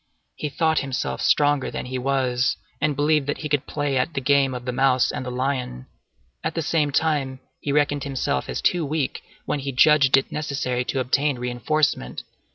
He thought himself stronger than he was, and believed that he could play at the game of the mouse and the lion. At the same time, he reckoned himself as too weak, when he judged it necessary to obtain reinforcement.